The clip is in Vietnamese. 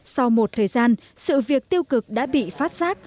sau một thời gian sự việc tiêu cực đã bị phát giác